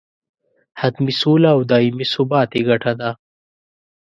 حتمي سوله او دایمي ثبات یې ګټه ده.